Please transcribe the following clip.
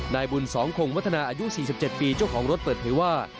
นายบุญสองคงวัฒนาอายุ๔๗ปีเจ้าของรถเปิดเผยว่า